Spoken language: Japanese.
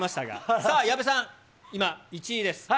さあ、矢部さん、今、１位です。